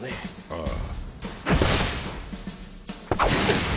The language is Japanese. ああ。